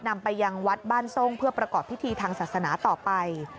นำไปยังวัดบ้านทรงเพื่อประกอบพิธีทางศาสนาต่อไป